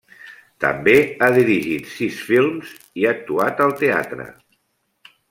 També ha dirigit sis films, i actuat al teatre.